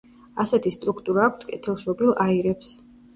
ასეთი სტრუქტურა აქვთ კეთილშობილ აირებს.